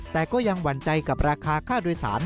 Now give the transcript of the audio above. แต่ก็ยังหวั่นใจกับราคาค่าโดยสาร